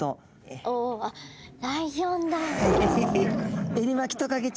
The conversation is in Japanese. おおあっライオンだ。